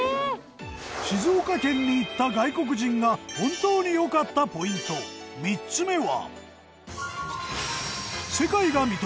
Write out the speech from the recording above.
静岡県に行った外国人が本当に良かったポイント３つ目は。